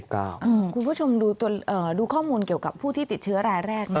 คุณผู้ชมดูข้อมูลเกี่ยวกับผู้ที่ติดเชื้อรายแรกนะ